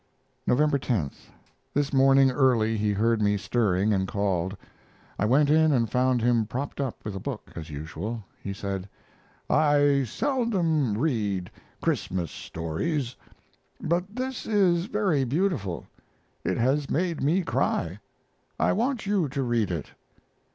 November 10. This morning early he heard me stirring and called. I went in and found him propped up with a book, as usual. He said: "I seldom read Christmas stories, but this is very beautiful. It has made me cry. I want you to read it."